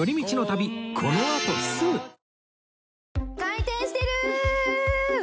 回転してる！